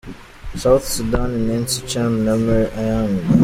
Southern Sudan :Nancy Chan na Mer Ayang.